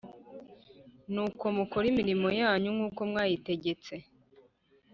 nuko mukore imirimo yanyu nkuko mwayitegets